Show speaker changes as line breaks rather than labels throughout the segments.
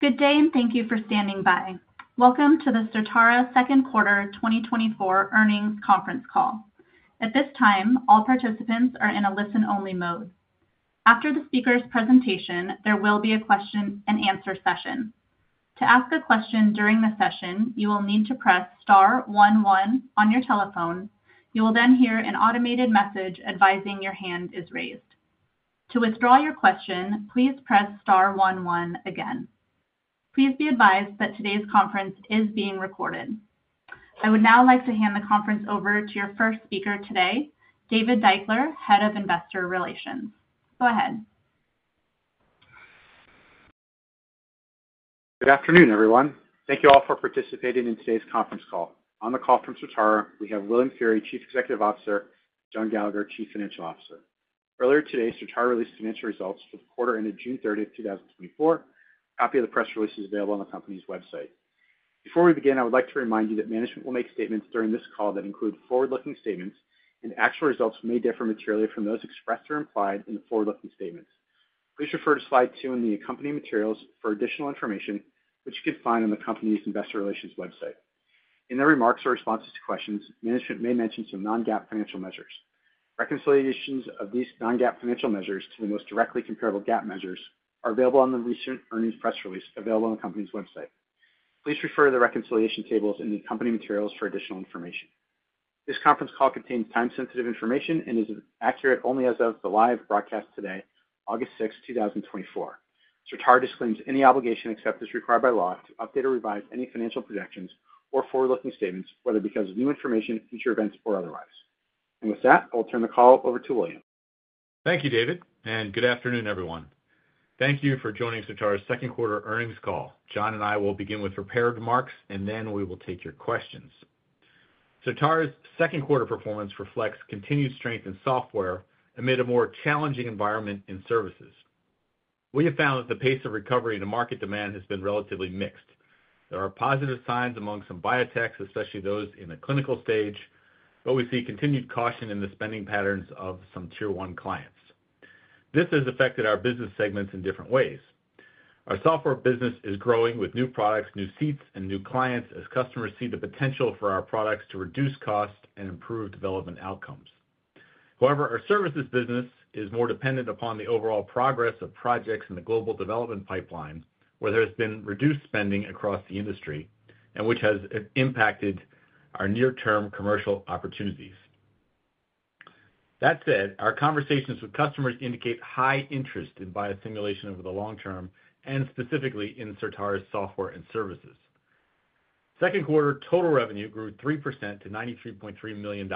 Good day, and thank you for standing by. Welcome to the Certara second quarter 2024 earnings conference call. At this time, all participants are in a listen-only mode. After the speaker's presentation, there will be a question-and-answer session. To ask a question during the session, you will need to press star one one on your telephone. You will then hear an automated message advising your hand is raised. To withdraw your question, please press star one one again. Please be advised that today's conference is being recorded. I would now like to hand the conference over to your first speaker today, David Deuchler, Head of Investor Relations. Go ahead.
Good afternoon, everyone. Thank you all for participating in today's conference call. On the call from Certara, we have William Feehery, Chief Executive Officer, John Gallagher, Chief Financial Officer. Earlier today, Certara released financial results for the quarter ended June 30, 2024. A copy of the press release is available on the company's website. Before we begin, I would like to remind you that management will make statements during this call that include forward-looking statements, and actual results may differ materially from those expressed or implied in the forward-looking statements. Please refer to slide 2 in the accompanying materials for additional information, which you can find on the company's investor relations website. In their remarks or responses to questions, management may mention some non-GAAP financial measures. Reconciliations of these non-GAAP financial measures to the most directly comparable GAAP measures are available on the recent earnings press release available on the company's website. Please refer to the reconciliation tables in the accompanying materials for additional information. This conference call contains time-sensitive information and is accurate only as of the live broadcast today, August 6, 2024. Certara disclaims any obligation, except as required by law, to update or revise any financial projections or forward-looking statements, whether because of new information, future events, or otherwise. With that, I'll turn the call over to William.
Thank you, David, and good afternoon, everyone. Thank you for joining Certara's second quarter earnings call. John and I will begin with prepared remarks, and then we will take your questions. Certara's second quarter performance reflects continued strength in software amid a more challenging environment in services. We have found that the pace of recovery in the market demand has been relatively mixed. There are positive signs among some biotechs, especially those in the clinical stage, but we see continued caution in the spending patterns of some Tier 1 clients. This has affected our business segments in different ways. Our software business is growing with new products, new seats, and new clients as customers see the potential for our products to reduce costs and improve development outcomes. However, our services business is more dependent upon the overall progress of projects in the global development pipeline, where there has been reduced spending across the industry and which has impacted our near-term commercial opportunities. That said, our conversations with customers indicate high interest in biosimulation over the long term and specifically in Certara's software and services. Second quarter total revenue grew 3% to $93.3 million,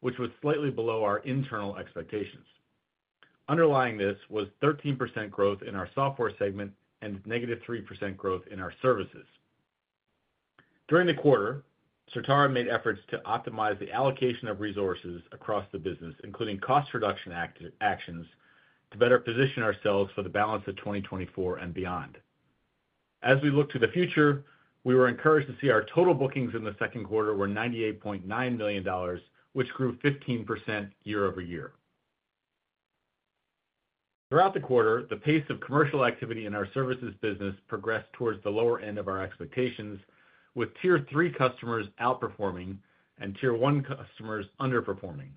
which was slightly below our internal expectations. Underlying this was 13% growth in our software segment and -3% growth in our services. During the quarter, Certara made efforts to optimize the allocation of resources across the business, including cost reduction actions, to better position ourselves for the balance of 2024 and beyond. As we look to the future, we were encouraged to see our total bookings in the second quarter were $98.9 million, which grew 15% year-over-year. Throughout the quarter, the pace of commercial activity in our services business progressed towards the lower end of our expectations, with Tier 3 customers outperforming and Tier 1 customers underperforming.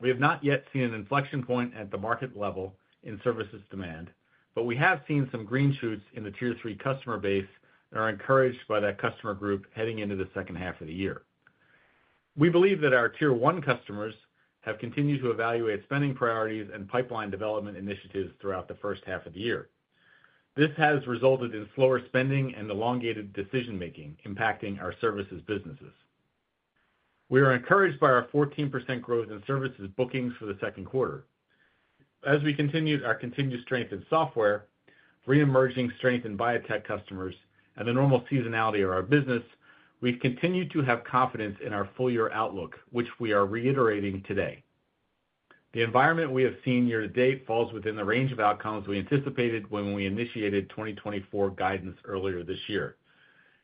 We have not yet seen an inflection point at the market level in services demand, but we have seen some green shoots in the Tier 3 customer base and are encouraged by that customer group heading into the second half of the year. We believe that our Tier 1 customers have continued to evaluate spending priorities and pipeline development initiatives throughout the first half of the year. This has resulted in slower spending and elongated decision-making, impacting our services businesses. We are encouraged by our 14% growth in services bookings for the second quarter. As we continued our continued strength in software, reemerging strength in biotech customers, and the normal seasonality of our business, we've continued to have confidence in our full-year outlook, which we are reiterating today. The environment we have seen year to date falls within the range of outcomes we anticipated when we initiated 2024 guidance earlier this year.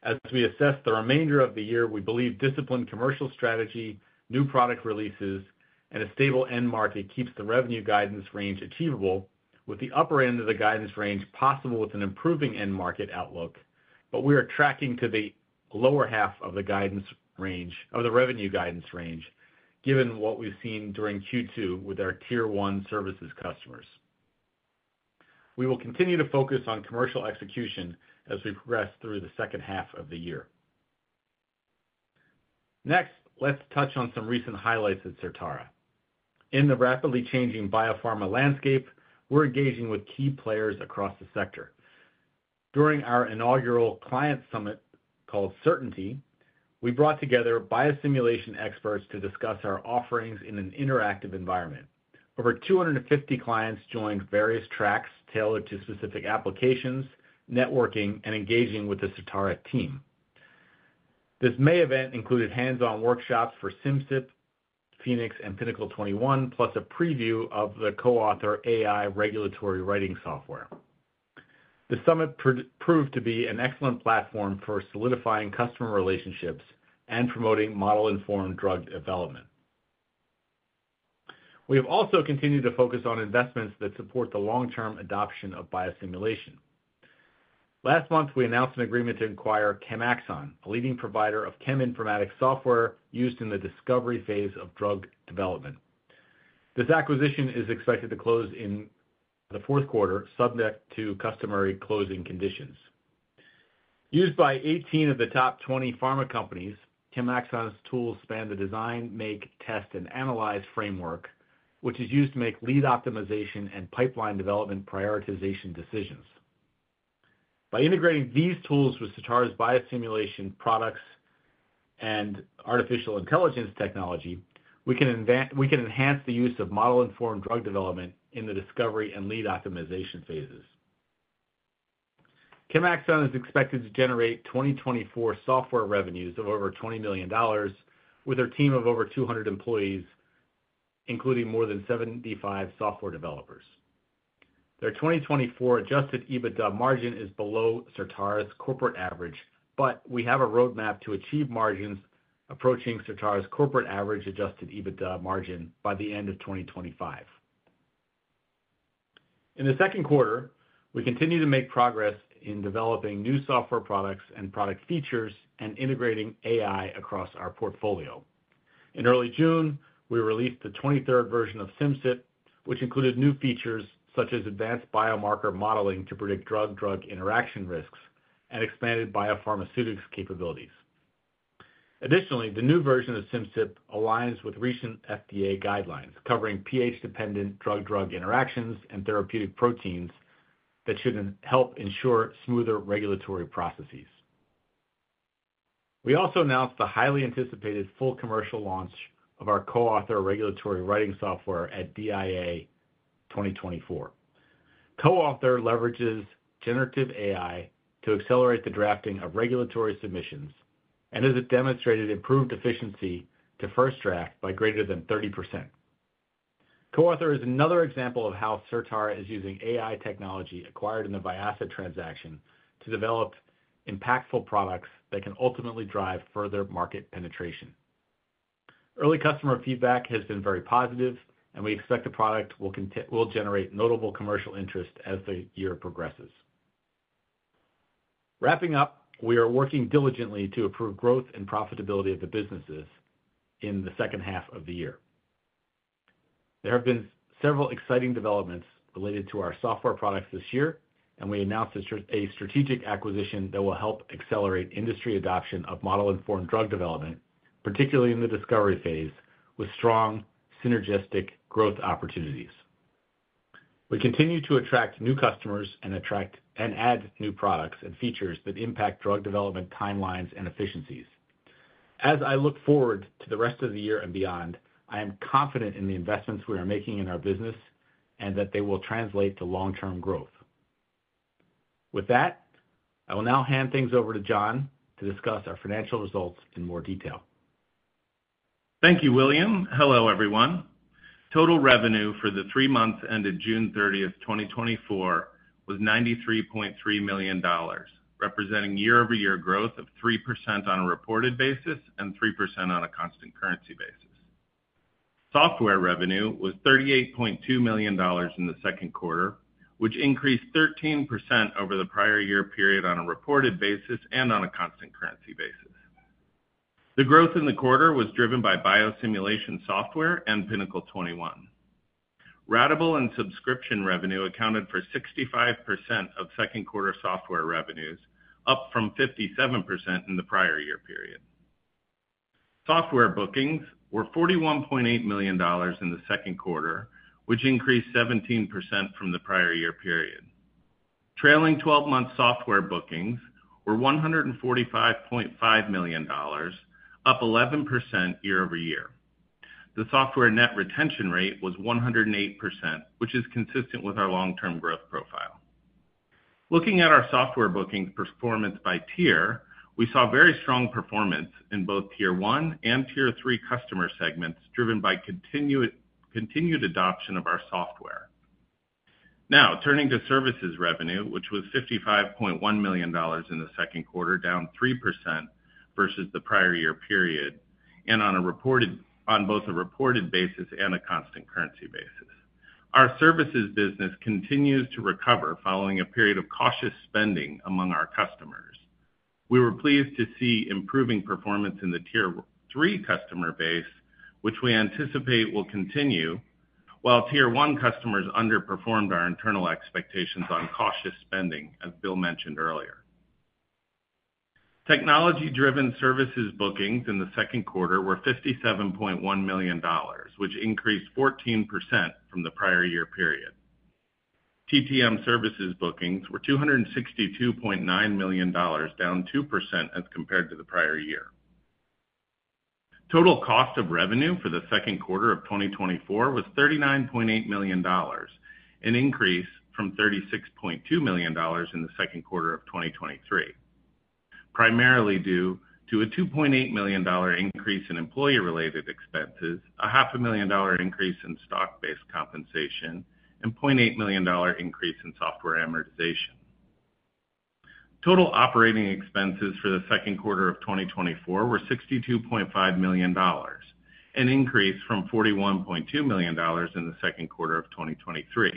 As we assess the remainder of the year, we believe disciplined commercial strategy, new product releases, and a stable end market keeps the revenue guidance range achievable with the upper end of the guidance range possible with an improving end market outlook. But we are tracking to the lower half of the guidance range of the revenue guidance range, given what we've seen during Q2 with our Tier 1 services customers. We will continue to focus on commercial execution as we progress through the second half of the year. Next, let's touch on some recent highlights at Certara. In the rapidly changing biopharma landscape, we're engaging with key players across the sector. During our inaugural client summit, called Certainty, we brought together biosimulation experts to discuss our offerings in an interactive environment. Over 250 clients joined various tracks tailored to specific applications, networking, and engaging with the Certara team. This May event included hands-on workshops for Simcyp, Phoenix, and Pinnacle 21, plus a preview of the CoAuthor AI regulatory writing software. The summit proved to be an excellent platform for solidifying customer relationships and promoting model-informed drug development. We have also continued to focus on investments that support the long-term adoption of biosimulation. Last month, we announced an agreement to acquire ChemAxon, a leading provider of cheminformatics software used in the discovery phase of drug development. This acquisition is expected to close in the fourth quarter, subject to customary closing conditions. Used by 18 of the top 20 pharma companies, ChemAxon's tools span the design, make, test, and analyze framework, which is used to make lead optimization and pipeline development prioritization decisions. By integrating these tools with Certara's biosimulation products and artificial intelligence technology, we can enhance the use of model-informed drug development in the discovery and lead optimization phases. ChemAxon is expected to generate 2024 software revenues of over $20 million, with a team of over 200 employees, including more than 75 software developers. Their 2024 Adjusted EBITDA margin is below Certara's corporate average, but we have a roadmap to achieve margins approaching Certara's corporate average Adjusted EBITDA margin by the end of 2025. In the second quarter, we continued to make progress in developing new software products and product features and integrating AI across our portfolio. In early June, we released the 23rd version of Simcyp, which included new features such as advanced biomarker modeling to predict drug-drug interaction risks and expanded biopharmaceuticals capabilities. Additionally, the new version of Simcyp aligns with recent FDA guidelines, covering pH-dependent drug-drug interactions and therapeutic proteins that should help ensure smoother regulatory processes. We also announced the highly anticipated full commercial launch of our CoAuthor regulatory writing software at DIA 2024. CoAuthor leverages generative AI to accelerate the drafting of regulatory submissions and has demonstrated improved efficiency to first draft by greater than 30%. CoAuthor is another example of how Certara is using AI technology acquired in the Vyasa transaction to develop impactful products that can ultimately drive further market penetration. Early customer feedback has been very positive, and we expect the product will generate notable commercial interest as the year progresses. Wrapping up, we are working diligently to improve growth and profitability of the businesses in the second half of the year. There have been several exciting developments related to our software products this year, and we announced a strategic acquisition that will help accelerate industry adoption of model-informed drug development, particularly in the discovery phase, with strong synergistic growth opportunities. We continue to attract new customers and add new products and features that impact drug development timelines and efficiencies. As I look forward to the rest of the year and beyond, I am confident in the investments we are making in our business and that they will translate to long-term growth. With that, I will now hand things over to John to discuss our financial results in more detail.
Thank you, William. Hello, everyone. Total revenue for the three months ended June 30, 2024, was $93.3 million, representing year-over-year growth of 3% on a reported basis and 3% on a constant currency basis. Software revenue was $38.2 million in the second quarter, which increased 13% over the prior year period on a reported basis and on a constant currency basis. The growth in the quarter was driven by biosimulation software and Pinnacle 21. Ratable and subscription revenue accounted for 65% of second quarter software revenues, up from 57% in the prior year period. Software bookings were $41.8 million in the second quarter, which increased 17% from the prior year period. Trailing twelve-month software bookings were $145.5 million, up 11% year-over-year. The software net retention rate was 108%, which is consistent with our long-term growth profile. Looking at our software bookings performance by tier, we saw very strong performance in both Tier One and Tier Three customer segments, driven by continued adoption of our software. Now, turning to services revenue, which was $55.1 million in the second quarter, down 3% versus the prior year period, and on both a reported basis and a constant currency basis. Our services business continues to recover following a period of cautious spending among our customers. We were pleased to see improving performance in the Tier 3 customer base, which we anticipate will continue, while Tier 1 customers underperformed our internal expectations on cautious spending, as Bill mentioned earlier. Technology-driven services bookings in the second quarter were $57.1 million, which increased 14% from the prior year period. TTM services bookings were $262.9 million, down 2% as compared to the prior year. Total cost of revenue for the second quarter of 2024 was $39.8 million, an increase from $36.2 million in the second quarter of 2023, primarily due to a $2.8 million increase in employee-related expenses, a $500,000 increase in stock-based compensation, and $0.8 million increase in software amortization. Total operating expenses for the second quarter of 2024 were $62.5 million, an increase from $41.2 million in the second quarter of 2023.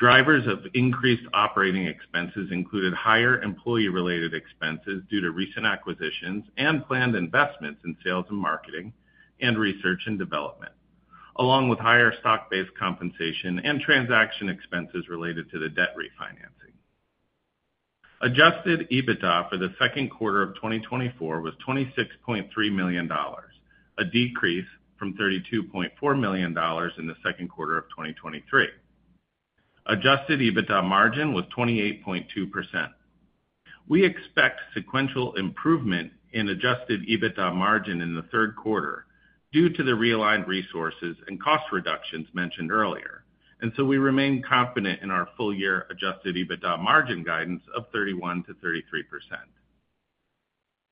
Drivers of increased operating expenses included higher employee-related expenses due to recent acquisitions and planned investments in sales and marketing and research and development, along with higher stock-based compensation and transaction expenses related to the debt refinancing. Adjusted EBITDA for the second quarter of 2024 was $26.3 million, a decrease from $32.4 million in the second quarter of 2023. Adjusted EBITDA margin was 28.2%. We expect sequential improvement in adjusted EBITDA margin in the third quarter due to the realigned resources and cost reductions mentioned earlier, and so we remain confident in our full-year adjusted EBITDA margin guidance of 31%-33%.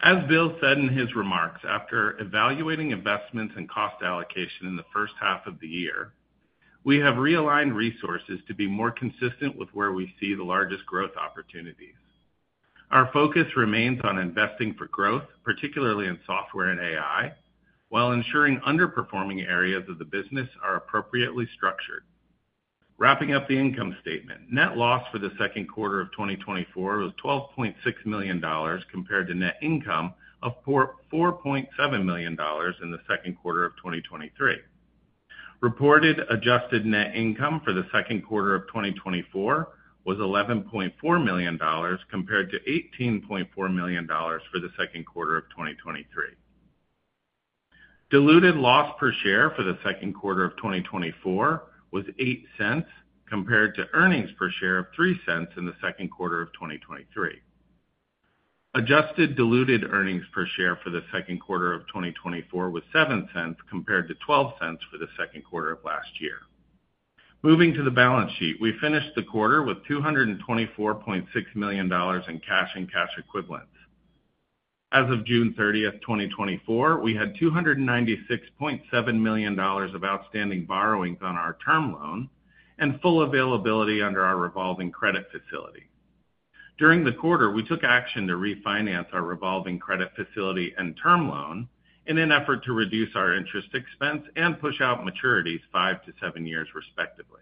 As Bill said in his remarks, after evaluating investments and cost allocation in the first half of the year, we have realigned resources to be more consistent with where we see the largest growth opportunities. Our focus remains on investing for growth, particularly in software and AI, while ensuring underperforming areas of the business are appropriately structured. Wrapping up the income statement, net loss for the second quarter of 2024 was $12.6 million, compared to net income of $4.7 million in the second quarter of 2023. Reported adjusted net income for the second quarter of 2024 was $11.4 million, compared to $18.4 million for the second quarter of 2023. Diluted loss per share for the second quarter of 2024 was $0.08, compared to earnings per share of $0.03 in the second quarter of 2023. Adjusted diluted earnings per share for the second quarter of 2024 was $0.07, compared to $0.12 for the second quarter of last year. Moving to the balance sheet, we finished the quarter with $224.6 million in cash and cash equivalents. As of June 30, 2024, we had $296.7 million of outstanding borrowings on our term loan and full availability under our revolving credit facility. During the quarter, we took action to refinance our revolving credit facility and term loan in an effort to reduce our interest expense and push out maturities 5-7 years, respectively.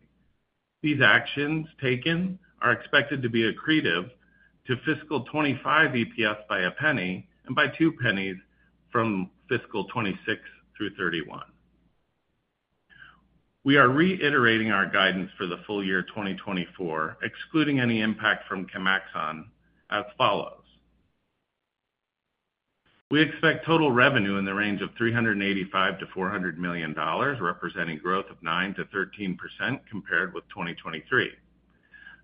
These actions taken are expected to be accretive to fiscal 2025 EPS by $0.01 and by $0.02 from fiscal 2026 through 2031. We are reiterating our guidance for the full year 2024, excluding any impact from ChemAxon, as follows: We expect total revenue in the range of $385 million-$400 million, representing growth of 9%-13% compared with 2023.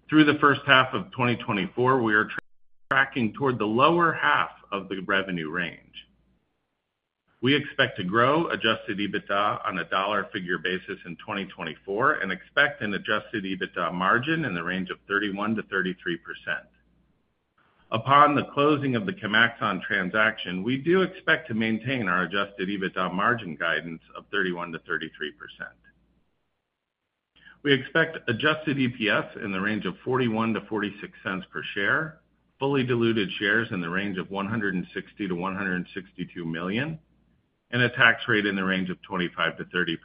Through the first half of 2024, we are tracking toward the lower half of the revenue range. We expect to grow Adjusted EBITDA on a dollar figure basis in 2024 and expect an Adjusted EBITDA margin in the range of 31%-33%. Upon the closing of the ChemAxon transaction, we do expect to maintain our Adjusted EBITDA margin guidance of 31%-33%. We expect adjusted EPS in the range of $0.41-$0.46 per share, fully diluted shares in the range of 160-162 million, and a tax rate in the range of 25%-30%.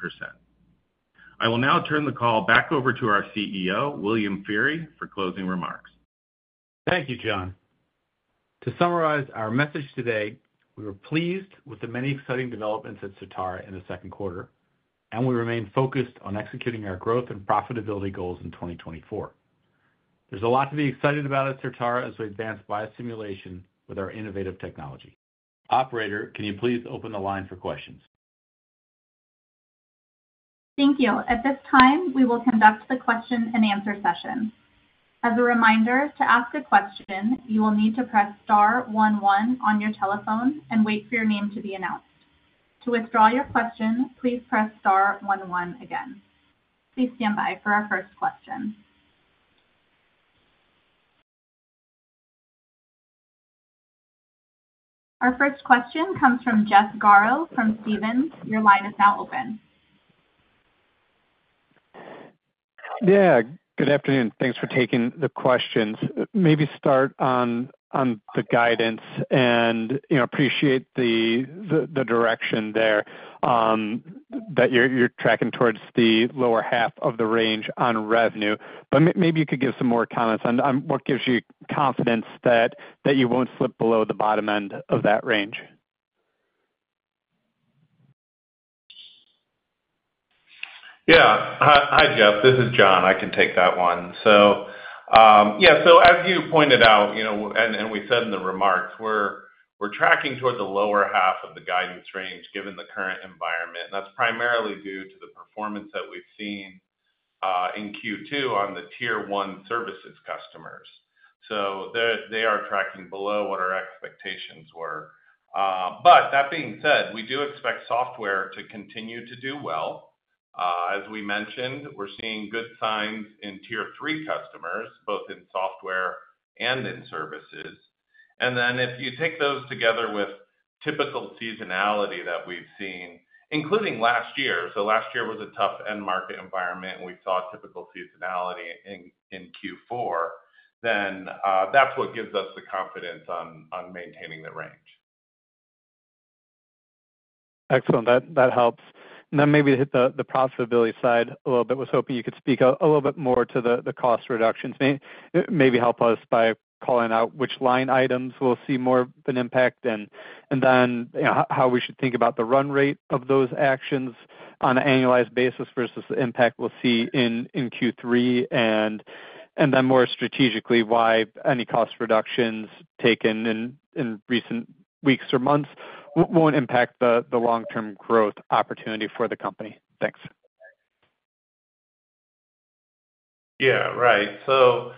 I will now turn the call back over to our CEO, William Feehery, for closing remarks.
Thank you, John. To summarize our message today, we were pleased with the many exciting developments at Certara in the second quarter, and we remain focused on executing our growth and profitability goals in 2024. There's a lot to be excited about at Certara as we advance biosimulation with our innovative technology. Operator, can you please open the line for questions?
Thank you. At this time, we will conduct the question-and-answer session. As a reminder, to ask a question, you will need to press star one one on your telephone and wait for your name to be announced. To withdraw your question, please press star one one again. Please stand by for our first question. Our first question comes from Jeff Garro from Stephens. Your line is now open.
Yeah, good afternoon. Thanks for taking the questions. Maybe start on the guidance and, you know, appreciate the direction there that you're tracking towards the lower half of the range on revenue. But maybe you could give some more comments on what gives you confidence that you won't slip below the bottom end of that range?
Yeah. Hi, hi, Jeff. This is John. I can take that one. So, yeah, so as you pointed out, you know, and, and we said in the remarks, we're, we're tracking towards the lower half of the guidance range given the current environment, and that's primarily due to the performance that we've seen, in Q2 on the Tier One services customers. So they, they are tracking below what our expectations were. But that being said, we do expect software to continue to do well. As we mentioned, we're seeing good signs in Tier Three customers, both in software and in services. And then if you take those together with typical seasonality that we've seen, including last year, so last year was a tough end market environment, and we saw typical seasonality in Q4, then, that's what gives us the confidence on, on maintaining the range.
Excellent. That helps. And then maybe to hit the profitability side a little bit. I was hoping you could speak a little bit more to the cost reductions. Maybe help us by calling out which line items will see more of an impact, and then, you know, how we should think about the run rate of those actions on an annualized basis versus the impact we'll see in Q3. And then more strategically, why any cost reductions taken in recent weeks or months won't impact the long-term growth opportunity for the company? Thanks.
Yeah, right. So,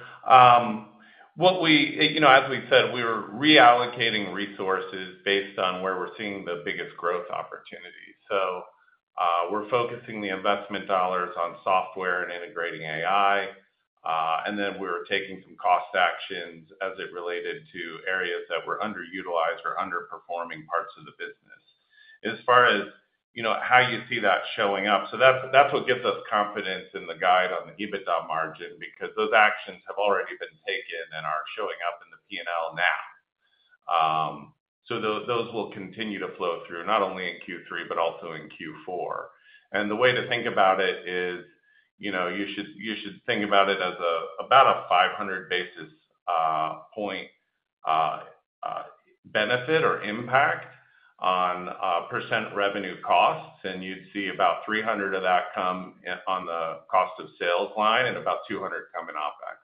what we—you know, as we said, we were reallocating resources based on where we're seeing the biggest growth opportunity. So, we're focusing the investment dollars on software and integrating AI, and then we're taking some cost actions as it related to areas that were underutilized or underperforming parts of the business. As far as, you know, how you see that showing up, so that's, that's what gives us confidence in the guide on the EBITDA margin, because those actions have already been taken and are showing up in the P&L now. So, those will continue to flow through, not only in Q3, but also in Q4. The way to think about it is, you know, you should, you should think about it as a, about a 500 basis point benefit or impact on percent revenue costs, and you'd see about 300 of that come in, on the cost of sales line and about 200 coming OpEx.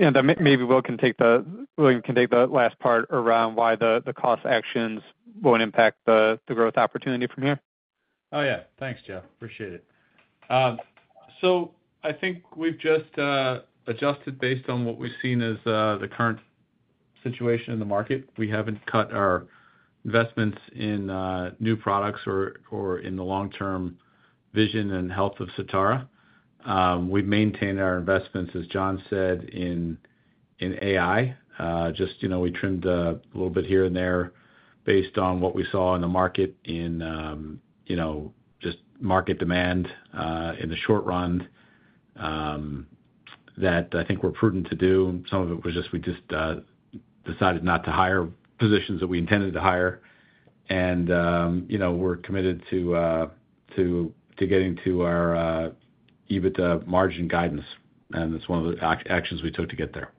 And then maybe Bill can take the last part around why the cost actions won't impact the growth opportunity from here.
Oh, yeah. Thanks, Jeff. Appreciate it. So I think we've just adjusted based on what we've seen as the current situation in the market. We haven't cut our investments in new products or in the long-term vision and health of Certara. We've maintained our investments, as John said, in AI. Just, you know, we trimmed a little bit here and there based on what we saw in the market in just market demand in the short run that I think were prudent to do. Some of it was just we just decided not to hire positions that we intended to hire. And you know, we're committed to to getting to our EBITDA margin guidance, and that's one of the actions we took to get there.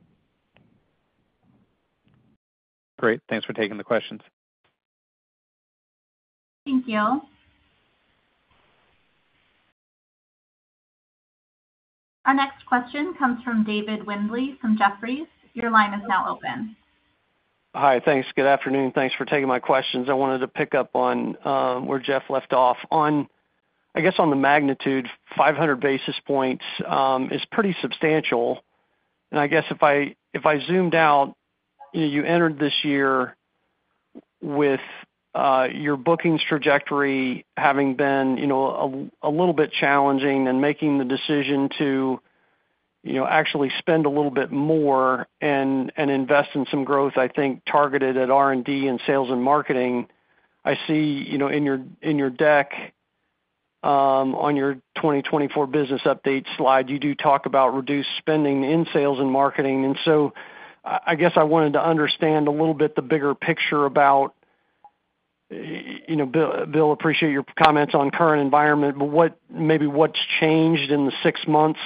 Great. Thanks for taking the questions.
Thank you. Our next question comes from David Windley from Jefferies. Your line is now open.
Hi. Thanks. Good afternoon. Thanks for taking my questions. I wanted to pick up on where Jeff left off. I guess, on the magnitude, 500 basis points is pretty substantial, and I guess if I, if I zoomed out, you know, you entered this year with your bookings trajectory having been, you know, a little bit challenging and making the decision to, you know, actually spend a little bit more and invest in some growth, I think, targeted at R&D and sales and marketing. I see, you know, in your, in your deck, on your 2024 business update slide, you do talk about reduced spending in sales and marketing. I guess I wanted to understand a little bit the bigger picture about, you know, Bill, Bill, appreciate your comments on current environment, but what, maybe what's changed in the six months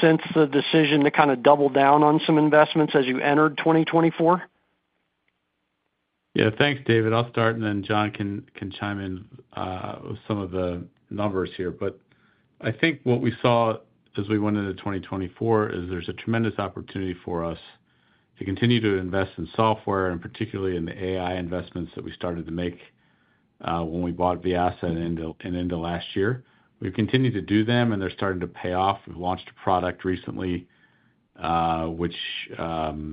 since the decision to kind of double down on some investments as you entered 2024?
Yeah. Thanks, David. I'll start, and then John can chime in with some of the numbers here. But I think what we saw as we went into 2024 is there's a tremendous opportunity for us to continue to invest in software, and particularly in the AI investments that we started to make when we bought Vyasa into last year. We've continued to do them, and they're starting to pay off. We've launched a product recently, which you know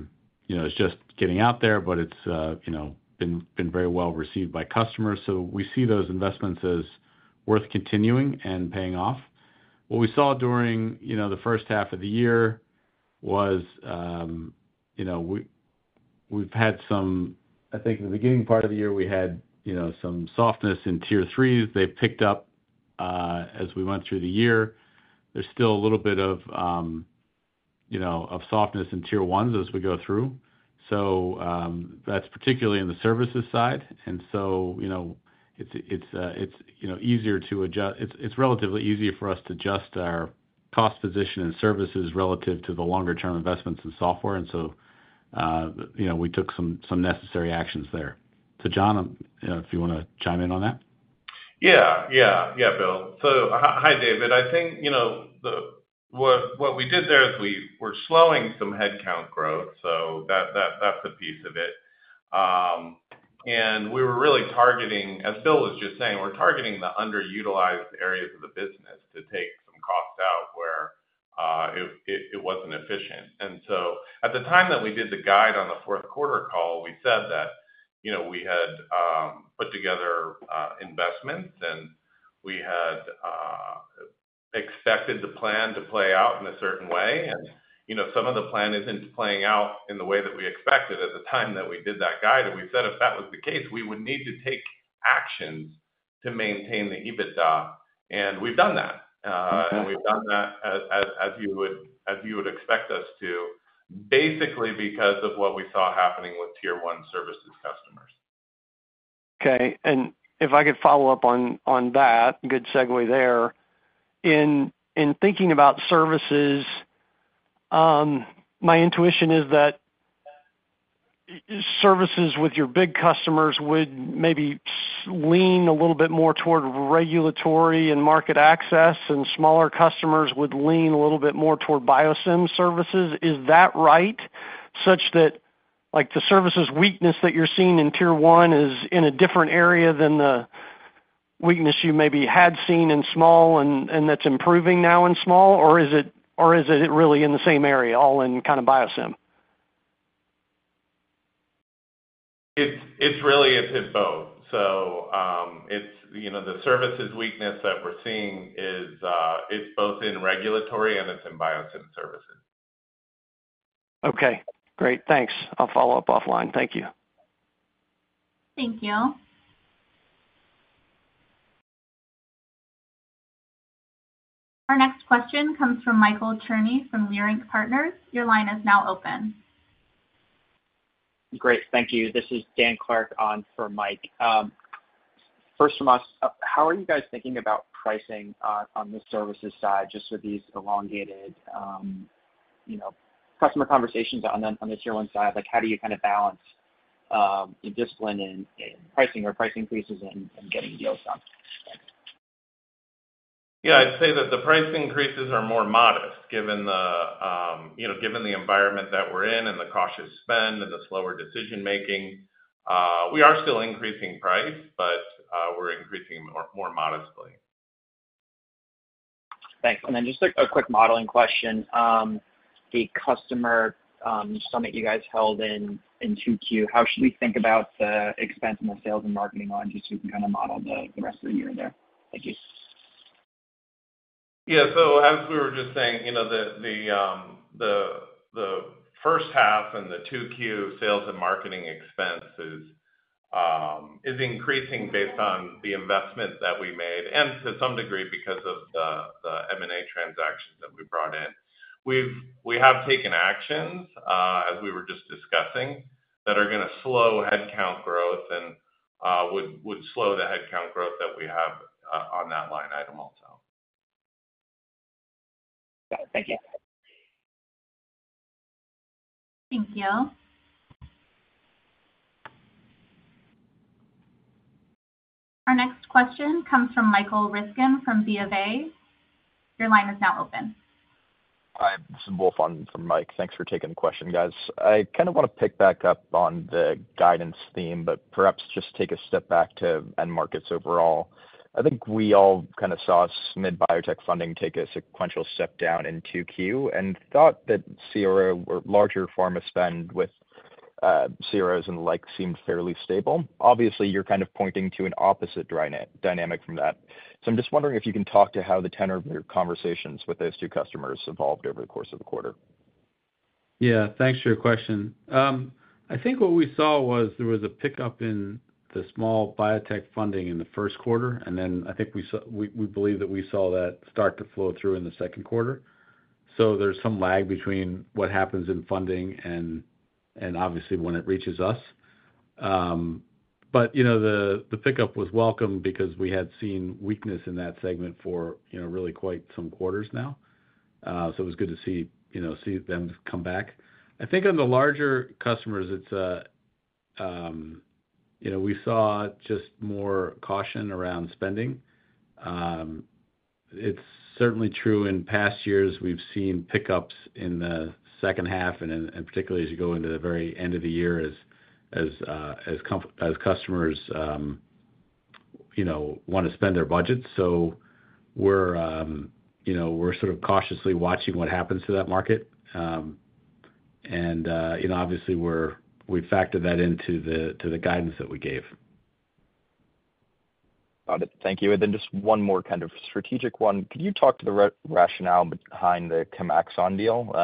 is just getting out there, but it's you know been very well received by customers. So we see those investments as worth continuing and paying off. What we saw during you know the first half of the year was you know we we've had some, I think in the beginning part of the year, we had, you know, some softness in tier threes. They've picked up, as we went through the year. There's still a little bit of, you know, of softness in tier ones as we go through. So, that's particularly in the services side, and so, you know, it's easier to adjust. It's relatively easy for us to adjust our cost position in services relative to the longer-term investments in software. And so, you know, we took some necessary actions there. So John, you know, if you wanna chime in on that?
Yeah. Yeah. Yeah, Bill. So hi, hi, David. I think, you know, what we did there is we were slowing some headcount growth, so that's a piece of it. And we were really targeting, as Bill was just saying, we're targeting the underutilized areas of the business to take some costs out where it wasn't efficient. And so at the time that we did the guide on the fourth quarter call, we said that, you know, we had put together investments and we had expected the plan to play out in a certain way. And, you know, some of the plan isn't playing out in the way that we expected at the time that we did that guide. And we said if that was the case, we would need to take actions to maintain the EBITDA, and we've done that. And we've done that as you would expect us to, basically, because of what we saw happening with Tier 1 services customers.
Okay. And if I could follow up on that, good segue there. In thinking about services, my intuition is that services with your big customers would maybe lean a little bit more toward regulatory and market access, and smaller customers would lean a little bit more toward biosim services. Is that right? Such that, like, the services weakness that you're seeing in Tier 1 is in a different area than the weakness you maybe had seen in small, and that's improving now in small, or is it, or is it really in the same area, all in kind of biosim?
It's, it's really, it's both. So, it's, you know, the services weakness that we're seeing is, it's both in regulatory and it's in biosim services.
Okay, great. Thanks. I'll follow up offline. Thank you.
Thank you. Our next question comes from Michael Cherny from Leerink Partners. Your line is now open.
Great, thank you. This is Dan Clark on for Mike. First from us, how are you guys thinking about pricing on the services side, just with these elongated, you know, customer conversations on the, on the Tier 1 side? Like, how do you kind of balance your discipline in, in pricing or price increases and, and getting deals done?
Yeah, I'd say that the price increases are more modest, given the, you know, given the environment that we're in and the cautious spend and the slower decision-making. We are still increasing price, but, we're increasing more, more modestly.
Thanks. And then just a quick modeling question. The customer summit you guys held in 2Q, how should we think about the expense and the sales and marketing line, just so we can kind of model the rest of the year there? Thank you.
Yeah. So as we were just saying, you know, the first half and the 2Q sales and marketing expenses is increasing based on the investment that we made, and to some degree, because of the M&A transactions that we brought in. We've, We have taken actions, as we were just discussing, that are going to slow headcount growth and would slow the headcount growth that we have on that line item also.
Got it. Thank you.
Thank you. Our next question comes from Mike Ryskin from Bank of America. Your line is now open.
Hi, this is Wolf on for Mike. Thanks for taking the question, guys. I kind of want to pick back up on the guidance theme, but perhaps just take a step back to end markets overall. I think we all kind of saw mid-biotech funding take a sequential step down in 2Q and thought that CRO or larger pharma spend with CROs and the like seemed fairly stable. Obviously, you're kind of pointing to an opposite different dynamic from that. So I'm just wondering if you can talk to how the tenor of your conversations with those two customers evolved over the course of the quarter.
Yeah, thanks for your question. I think what we saw was there was a pickup in the small biotech funding in the first quarter, and then I think we saw—we believe that we saw that start to flow through in the second quarter. So there's some lag between what happens in funding and obviously when it reaches us. But you know, the pickup was welcome because we had seen weakness in that segment for you know, really quite some quarters now. So it was good to see, you know, see them come back. I think on the larger customers, it's you know, we saw just more caution around spending. It's certainly true in past years, we've seen pickups in the second half and in, particularly as you go into the very end of the year as customers, you know, want to spend their budget. So we're, you know, we're sort of cautiously watching what happens to that market. And, you know, obviously, we've factored that into the guidance that we gave.
Got it. Thank you. And then just one more kind of strategic one. Could you talk to the rationale behind the ChemAxon deal?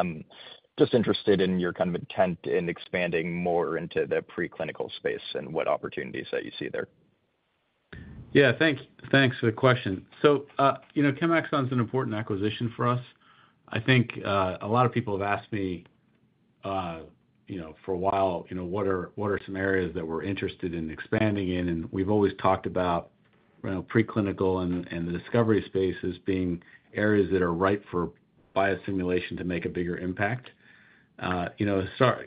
Just interested in your kind of intent in expanding more into the preclinical space and what opportunities that you see there.
Yeah, thanks for the question. So, you know, ChemAxon is an important acquisition for us. I think a lot of people have asked me, you know, for a while, you know, what are some areas that we're interested in expanding in? And we've always talked about, you know, preclinical and the discovery space as being areas that are ripe for biosimulation to make a bigger impact. You know, so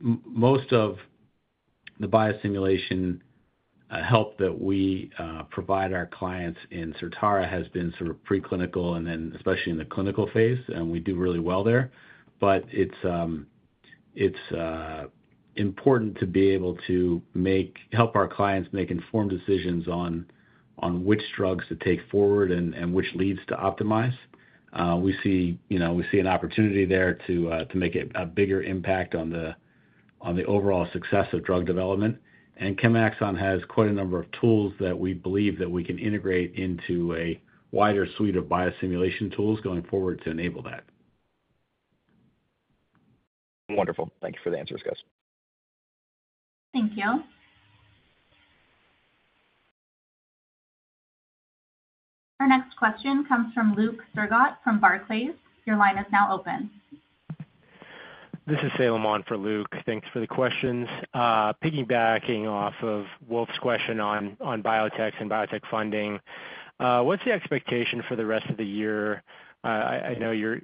most of the biosimulation help that we provide our clients in Certara has been sort of preclinical and then especially in the clinical phase, and we do really well there. But it's important to be able to help our clients make informed decisions on which drugs to take forward and which leads to optimize. We see, you know, we see an opportunity there to make a bigger impact on the overall success of drug development. ChemAxon has quite a number of tools that we believe that we can integrate into a wider suite of biosimulation tools going forward to enable that.
Wonderful. Thank you for the answers, guys.
Thank you. Our next question comes from Luke Sergott from Barclays. Your line is now open.
This is Suleman for Luke. Thanks for the questions. Piggybacking off of Wolf's question on biotechs and biotech funding, what's the expectation for the rest of the year? I know you're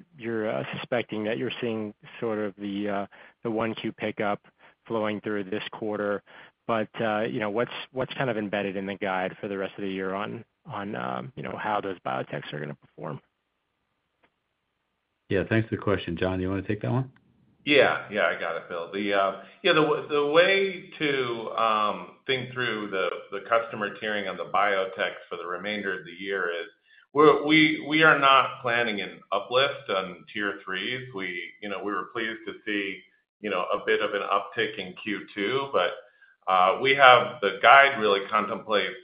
suspecting that you're seeing sort of the 1Q pickup flowing through this quarter, but you know, what's kind of embedded in the guide for the rest of the year on, you know, how those biotechs are going to perform?
Yeah, thanks for the question. John, do you want to take that one?
Yeah. Yeah, I got it, Bill. The, you know, the way to think through the, the customer tiering on the biotechs for the remainder of the year is, we are not planning an uplift on Tier 3s. We, you know, we were pleased to see, you know, a bit of an uptick in Q2, but, we have the guide really contemplates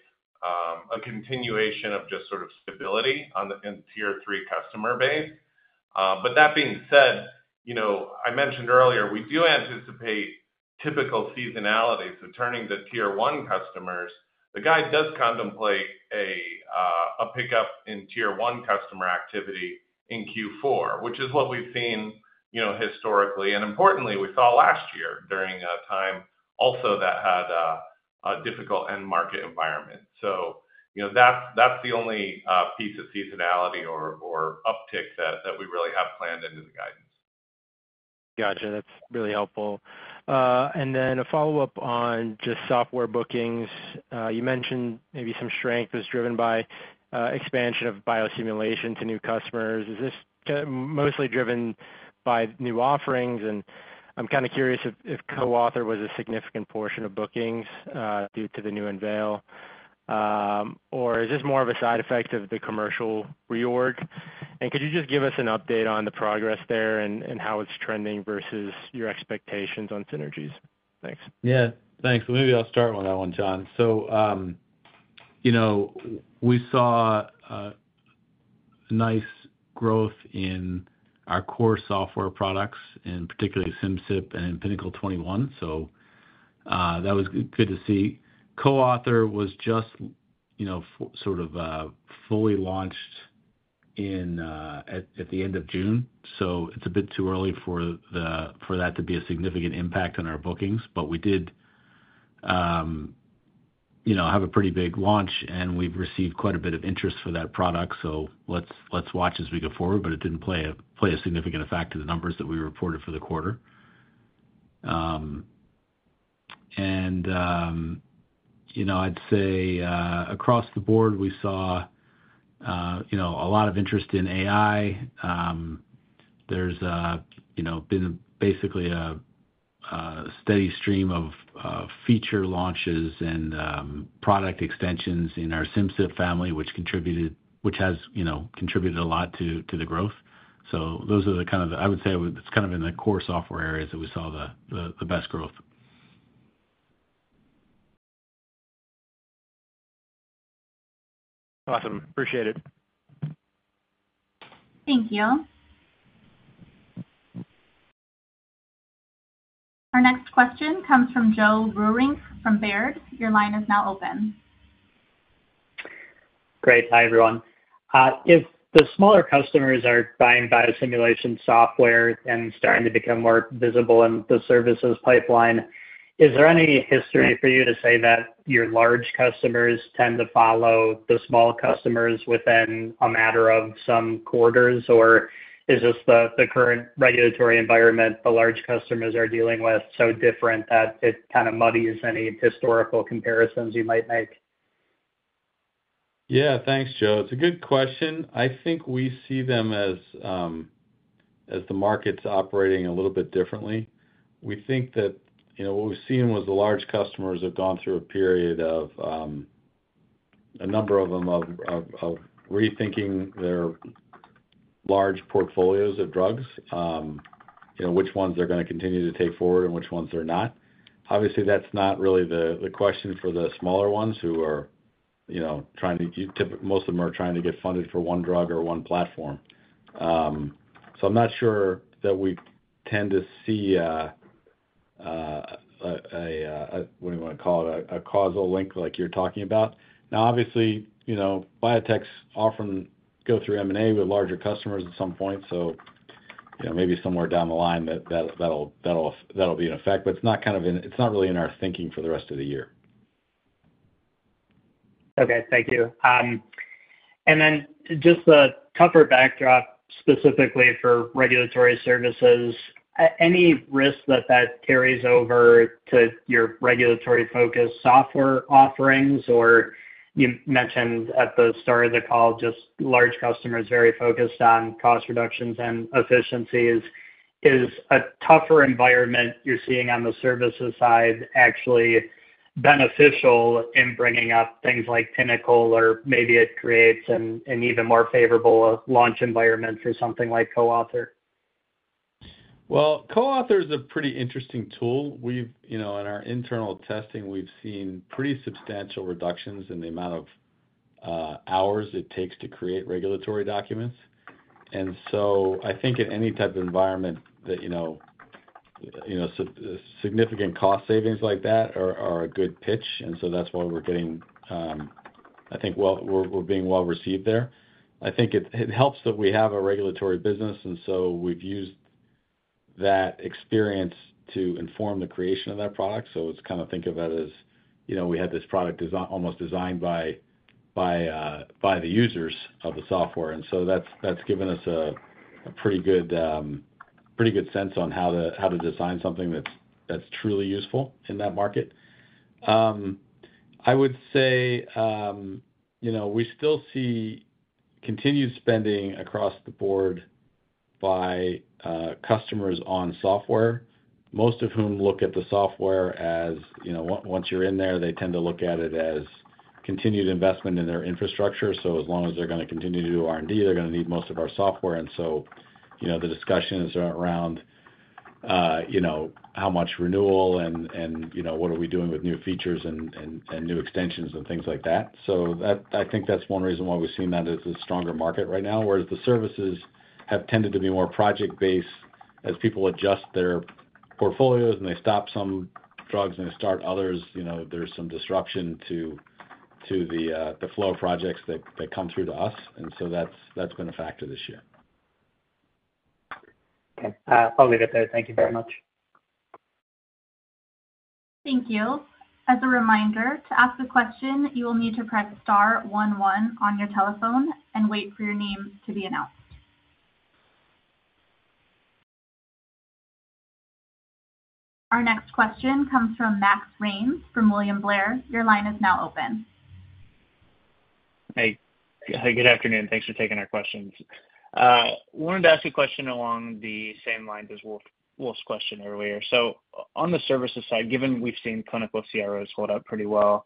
a continuation of just sort of stability on the, in Tier 3 customer base. But that being said, you know, I mentioned earlier, we do anticipate typical seasonality. So turning to Tier 1 customers, the guide does contemplate a pickup in Tier 1 customer activity in Q4, which is what we've seen, you know, historically, and importantly, we saw last year during a time also that had a difficult end-market environment. You know, that's the only piece of seasonality or uptick that we really have planned into the guidance.
Gotcha. That's really helpful. And then a follow-up on just software bookings. You mentioned maybe some strength was driven by expansion of biosimulation to new customers. Is this mostly driven by new offerings? And I'm kind of curious if CoAuthor was a significant portion of bookings due to the new unveil or is this more of a side effect of the commercial reorg? And could you just give us an update on the progress there and how it's trending versus your expectations on synergies? Thanks.
Yeah. Thanks. Maybe I'll start with that one, John. So, you know, we saw nice growth in our core software products, and particularly Simcyp and Pinnacle 21. So, that was good to see. CoAuthor was just, you know, sort of fully launched at the end of June, so it's a bit too early for that to be a significant impact on our bookings. But we did, you know, have a pretty big launch, and we've received quite a bit of interest for that product, so let's watch as we go forward, but it didn't play a significant effect to the numbers that we reported for the quarter. And, you know, I'd say across the board, we saw, you know, a lot of interest in AI. There's, you know, been basically a steady stream of feature launches and product extensions in our Simcyp family, which contributed- which has, you know, contributed a lot to, to the growth. So those are the kind of the-- I would say it's kind of in the core software areas that we saw the, the, the best growth.
Awesome. Appreciate it.
Thank you. Our next question comes from Joe Vruwink from Baird. Your line is now open.
Great. Hi, everyone. If the smaller customers are buying biosimulation software and starting to become more visible in the services pipeline, is there any history for you to say that your large customers tend to follow the small customers within a matter of some quarters? Or is this the current regulatory environment the large customers are dealing with so different that it kind of muddies any historical comparisons you might make?
Yeah. Thanks, Joe. It's a good question. I think we see them as the markets operating a little bit differently. We think that, you know, what we've seen with the large customers have gone through a period of a number of them rethinking their large portfolios of drugs, you know, which ones they're going to continue to take forward and which ones they're not. Obviously, that's not really the question for the smaller ones who are, you know, trying to get funded for one drug or one platform. So I'm not sure that we tend to see a what do you want to call it, a causal link, like you're talking about. Now, obviously, you know, biotechs often go through M&A with larger customers at some point, so, you know, maybe somewhere down the line, that'll be an effect, but it's not really in our thinking for the rest of the year.
Okay. Thank you. And then just a tougher backdrop, specifically for regulatory services. Any risk that carries over to your regulatory-focused software offerings? Or you mentioned at the start of the call, just large customers, very focused on cost reductions and efficiencies. Is a tougher environment you're seeing on the services side actually beneficial in bringing up things like Pinnacle, or maybe it creates an even more favorable launch environment for something like CoAuthor?
Well, CoAuthor is a pretty interesting tool. We've, you know, in our internal testing, we've seen pretty substantial reductions in the amount of hours it takes to create regulatory documents. And so I think in any type of environment that, you know, you know, significant cost savings like that are a good pitch, and so that's why we're getting, I think, we're being well received there. I think it helps that we have a regulatory business, and so we've used that experience to inform the creation of that product. So it's kind of, think of it as, you know, we had this product almost designed by the users of the software. And so that's given us a pretty good sense on how to design something that's truly useful in that market. I would say, you know, we still see continued spending across the board by customers on software, most of whom look at the software as, you know, once you're in there, they tend to look at it as continued investment in their infrastructure. So as long as they're gonna continue to do R&D, they're gonna need most of our software. And so, you know, the discussions are around, you know, how much renewal and what are we doing with new features and new extensions and things like that. So I think that's one reason why we've seen that as a stronger market right now, whereas the services have tended to be more project-based. As people adjust their portfolios and they stop some drugs and start others, you know, there's some disruption to the flow of projects that come through to us, and so that's been a factor this year.
Okay, I'll leave it there. Thank you very much.
Thank you. As a reminder, to ask a question, you will need to press star one one on your telephone and wait for your name to be announced. Our next question comes from Max Smock from William Blair. Your line is now open.
Hey, good afternoon. Thanks for taking our questions. Wanted to ask you a question along the same lines as Wolf's question earlier. So on the services side, given we've seen clinical CROs hold up pretty well,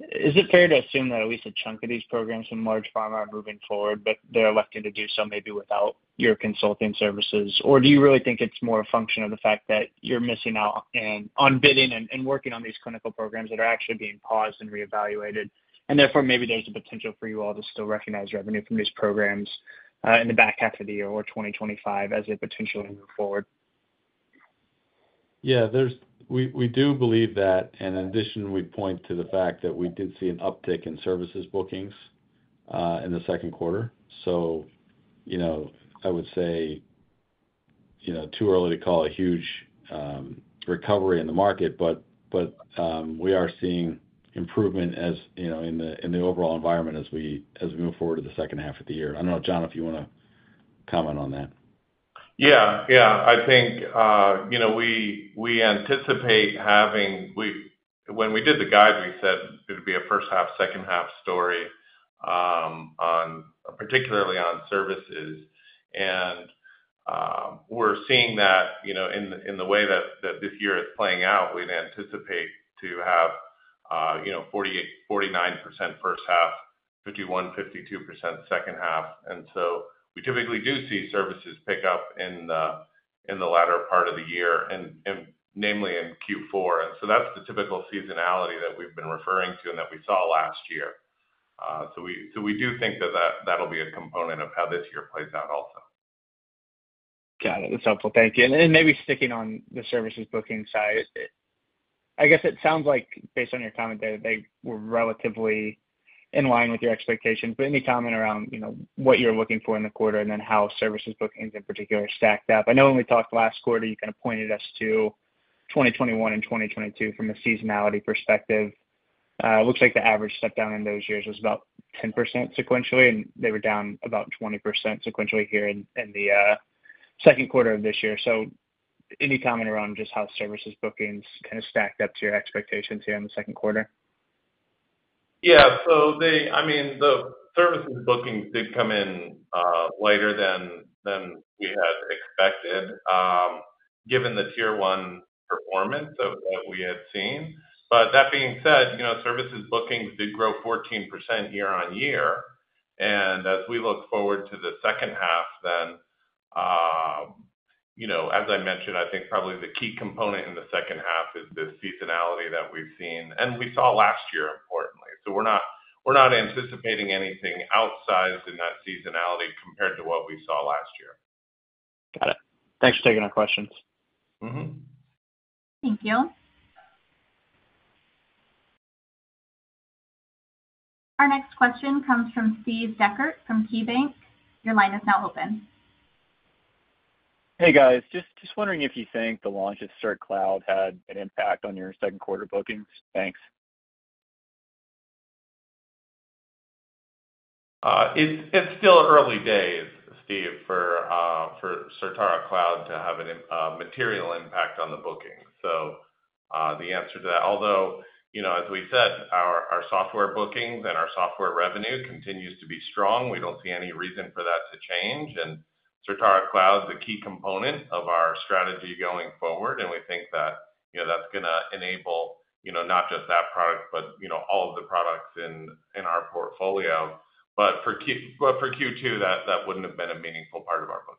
is it fair to assume that at least a chunk of these programs from large pharma are moving forward, but they're elected to do so maybe without your consulting services? Or do you really think it's more a function of the fact that you're missing out on bidding and working on these clinical programs that are actually being paused and reevaluated, and therefore, maybe there's a potential for you all to still recognize revenue from these programs in the back half of the year or 2025 as they potentially move forward?
Yeah, we do believe that, and in addition, we'd point to the fact that we did see an uptick in services bookings in the second quarter. So, you know, I would say, you know, too early to call a huge recovery in the market, but, but, we are seeing improvement, as, you know, in the overall environment as we move forward to the second half of the year. I don't know, John, if you wanna comment on that.
Yeah, yeah. I think, you know, we anticipate having—When we did the guide, we said it would be a first half, second half story, on, particularly on services. And, we're seeing that, you know, in the way that this year is playing out, we'd anticipate to have, you know, 48%-49% first half, 51%-52% second half. And so we typically do see services pick up in the latter part of the year and namely in Q4. And so that's the typical seasonality that we've been referring to and that we saw last year. So we do think that that'll be a component of how this year plays out also.
Got it. That's helpful. Thank you. And then maybe sticking on the services booking side, I guess it sounds like based on your comment there, they were relatively in line with your expectations, but any comment around, you know, what you're looking for in the quarter, and then how services bookings in particular stacked up? I know when we talked last quarter, you kind of pointed us to 2021 and 2022 from a seasonality perspective. It looks like the average step down in those years was about 10% sequentially, and they were down about 20% sequentially here in the second quarter of this year. So any comment around just how services bookings kind of stacked up to your expectations here in the second quarter?
Yeah. So they, I mean, the services bookings did come in lighter than we had expected, given the Tier 1 performance of what we had seen. But that being said, you know, services bookings did grow 14% year-on-year, and as we look forward to the second half, then, you know, as I mentioned, I think probably the key component in the second half is the seasonality that we've seen and we saw last year, importantly. So we're not anticipating anything outsized in that seasonality compared to what we saw last year.
Got it. Thanks for taking our questions.
Thank you. Our next question comes from Steve Dechert from KeyBanc. Your line is now open.
Hey, guys. Just wondering if you think the launch of Certara Cloud had an impact on your second quarter bookings? Thanks.
It's still early days, Steve, for Certara Cloud to have a material impact on the bookings. So, the answer to that, although, you know, as we said, our software bookings and our software revenue continues to be strong. We don't see any reason for that to change, and Certara Cloud is a key component of our strategy going forward, and we think that, you know, that's gonna enable, you know, not just that product, but you know, all of the products in our portfolio. But for Q2, that wouldn't have been a meaningful part of our bookings.